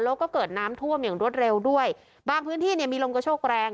แล้วก็เกิดน้ำท่วมอย่างรวดเร็วด้วยบางพื้นที่เนี่ยมีลมกระโชคแรง